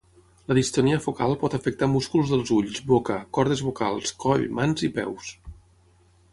La distonia focal pot afectar músculs dels ulls, boca, cordes vocals, coll, mans i peus.